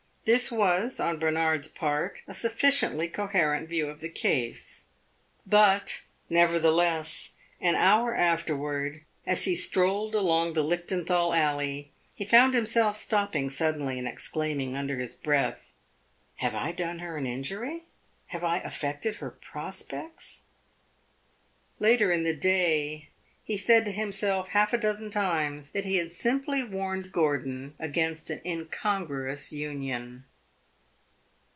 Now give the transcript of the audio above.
This was, on Bernard's part, a sufficiently coherent view of the case; but nevertheless, an hour afterward, as he strolled along the Lichtenthal Alley, he found himself stopping suddenly and exclaiming under his breath "Have I done her an injury? Have I affected her prospects?" Later in the day he said to himself half a dozen times that he had simply warned Gordon against an incongruous union.